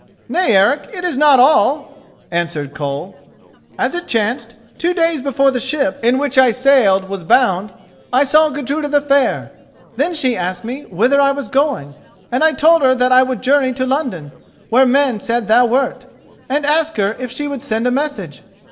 "Nay, Eric, it is not all," answered Koll. "As it chanced, two days before the ship in which I sailed was bound, I saw Gudruda the Fair. Then she asked me whither I was going, and I told her that I would journey to London, where men said thou wert, and asked her if she would send a message.